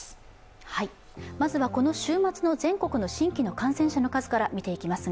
まずはこの週末の全国の新規の感染者の数から見ていきます。